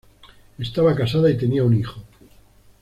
Estaba casada y tenía un hijo.